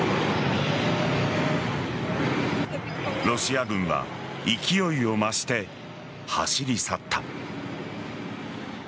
ロシア軍は勢いを増して走り去った。